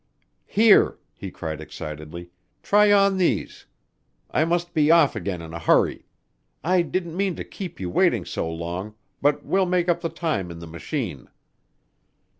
"Here," he cried excitedly, "try on these. I must be off again in a hurry. I didn't mean to keep you waiting so long, but we'll make up the time in the machine."